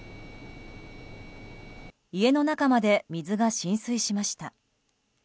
家の中まで水が浸水しました。